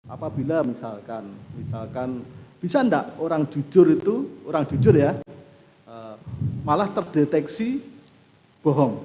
apabila misalkan bisa enggak orang jujur itu malah terdeteksi bohong